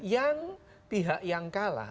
yang pihak yang kalah